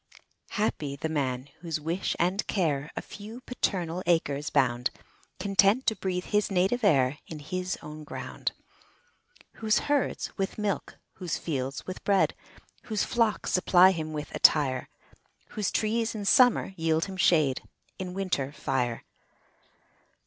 Happy the man, whose wish and care A few paternal acres bound, Content to breathe his native air In his own ground. Whose herds with milk, whose fields with bread, Whose flocks supply him with attire; Whose trees in summer yield him shade In winter, fire.